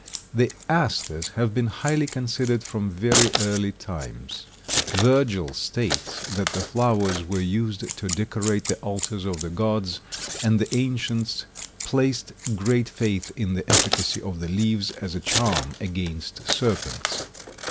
The Asters have been highly considered from very early times. Virgil states that the flowers were used to decorate the altars of the gods and the ancients placed great faith in the efficacy of the leaves as a charm against serpents.